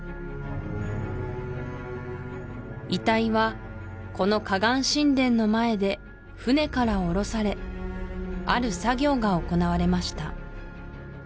遺体はこの河岸神殿の前で船から降ろされある作業が行われました